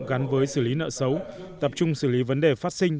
gắn với xử lý nợ xấu tập trung xử lý vấn đề phát sinh